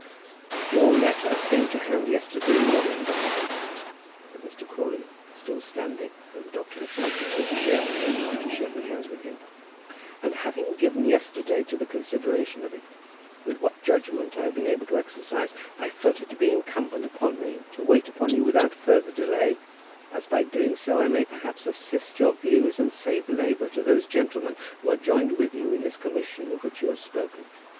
"Your letter came to hand yesterday morning, Dr. Tempest," said Mr. Crawley, still standing, though the doctor had pointed to a chair for him after shaking hands with him; "and having given yesterday to the consideration of it, with what judgment I have been able to exercise, I have felt it to be incumbent upon me to wait upon you without further delay, as by doing so I may perhaps assist your views and save labour to those gentlemen who are joined with you in this commission of which you have spoken.